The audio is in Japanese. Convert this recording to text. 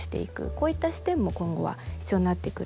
こういった視点も今後は必要になってくる。